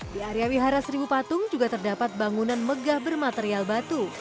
di area wihara seribu patung juga terdapat bangunan megah bermaterial batu